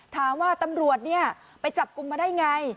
ถามว่าตำรวจเนี่ยไปจับกลุ่มมาได้ไง